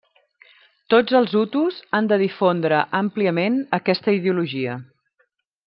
Tots els hutus han de difondre àmpliament aquesta ideologia.